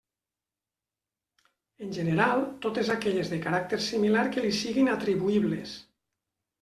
En general, totes aquelles de caràcter similar que li siguin atribuïbles.